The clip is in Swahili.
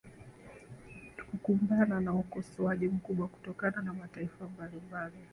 ukumbana na ukosoaji mkubwa kutoka kwa mataifa mbalimbali